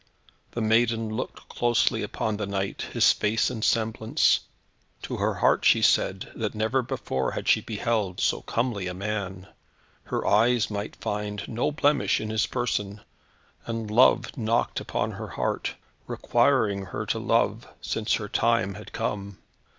The maiden looked closely upon the knight, his face and semblance; to her heart she said that never before had she beheld so comely a man. Her eyes might find no blemish in his person, and Love knocked upon her heart, requiring her to love, since her time had come.